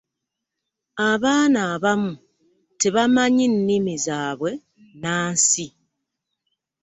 abaana abamu tebamanyi nnimi zaabwe nnansi.